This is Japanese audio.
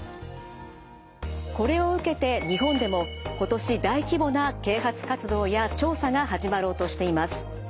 これを受けて日本でも今年大規模な啓発活動や調査が始まろうとしています。